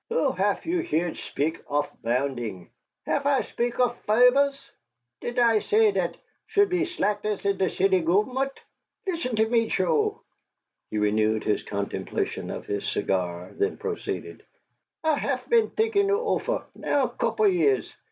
"Who hef you heert speak off bounding? Hef I speakt off favors? Dit I say der shoult be slackness in der city gofer'ment? Litsen to me, Choe." He renewed his contemplation of his cigar, then proceeded: "I hef been t'inkin' it ofer, now a couple years.